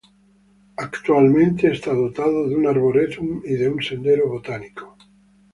Actualmente está dotado de un arboretum y de un sendero botánico.